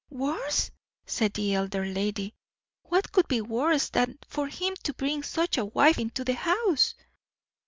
"Worse?" said the elder lady; "what could be worse than for him to bring such a wife into the house?"